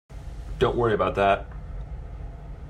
Don't worry about that.